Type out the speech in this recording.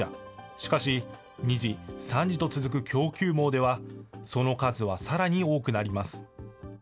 しかし、２次、３次と続く供給網では、その数はさらに多くなります。